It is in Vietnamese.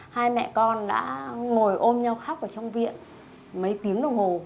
hai mẹ con đã ngồi ôm nhau khóc ở trong viện mấy tiếng đồng hồ